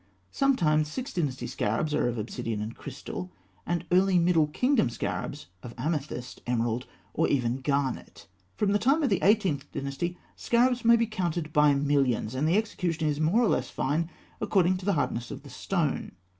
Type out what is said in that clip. Sometimes Sixth Dynasty scarabs are of obsidian and crystal, and early Middle Kingdom scarabs of amethyst, emerald, and even garnet. From the time of the Eighteenth Dynasty scarabs may be counted by millions, and the execution is more or less fine according to the hardness of the stone.